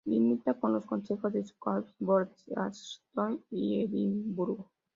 Limita con los concejos de Scottish Borders, East Lothian y Edimburgo.